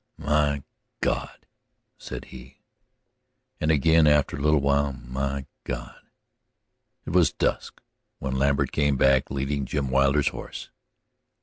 "My God!" said he. And again, after a little while: "My God!" It was dusk when Lambert came back, leading Jim Wilder's horse.